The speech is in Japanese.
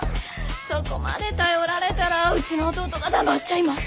そこまで頼られたらうちの弟が黙っちゃいません。